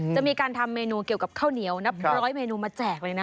จะมีการทำเมนูเกี่ยวกับข้าวเหนียวนับร้อยเมนูมาแจกเลยนะ